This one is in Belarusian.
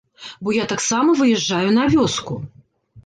Бо я таксама выязджаю на вёску.